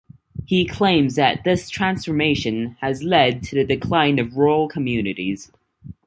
He claims that this transformation has led to the decline of rural communities.